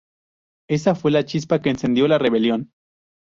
Esa fue la chispa que encendió la rebelión.